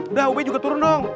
udah ubi juga turun dong